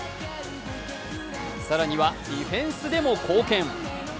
更にはディフェンスでも貢献。